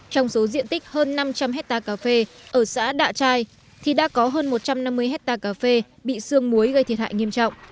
trong số diện tích hơn năm trăm linh hectare cà phê ở xã đạ trai thì đã có hơn một trăm năm mươi hectare cà phê bị sương muối gây thiệt hại nghiêm trọng